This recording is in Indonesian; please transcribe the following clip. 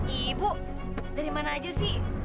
ibu dari mana aja sih